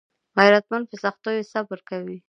غیرتمند په سختیو صبر کوي